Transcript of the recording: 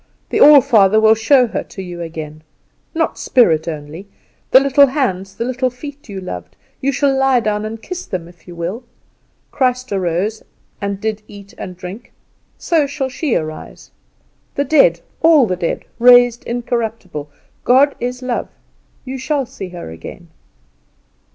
The All Father will show her to you again; not spirit only the little hands, the little feet you loved, you shall lie down and kiss them if you will. Christ arose, and did eat and drink, so shall she arise. The dead, all the dead, raised incorruptible! God is love. You shall see her again."